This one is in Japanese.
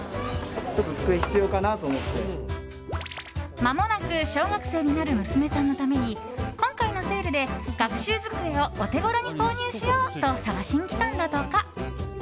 まもなく小学生になる娘さんのために今回のセールで学習机をオテゴロに購入しようと探しに来たのだとか。